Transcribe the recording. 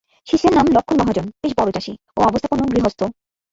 শিষ্যের নাম লক্ষ্মণ মহাজন, বেশ বড় চাষী ও অবস্থাপন্ন গৃহস্থ।